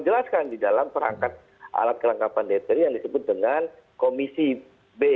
jelaskan di dalam perangkat alat kelengkapan dtri yang disebut dengan komisi b